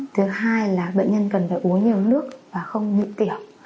thứ hai là bệnh nhân cần phải uống nhiều nước và không nhịn tiểu